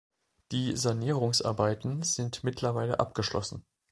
Die Sanierungsarbeiten sind mittlerweile abgeschlossen.